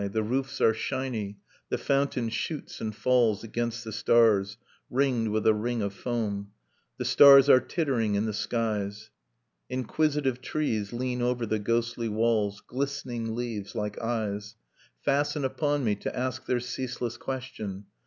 The roofs are shiny, the fountain shoots and falls Against the stars, ringed with a ring of foam. The stars are tittering in the skies ... Nocturne of Remembered Spring Inquisitive trees lean over the ghostly walls, Glistening leaves like eyes Fasten upon me to ask their ceaseless question.